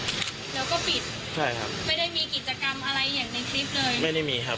แล้วก็ปิดใช่ครับไม่ได้มีกิจกรรมอะไรอย่างในคลิปเลยไม่ได้มีครับ